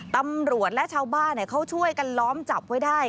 ตำรวจและชาวบ้านเขาช่วยกันล้อมจับไว้ได้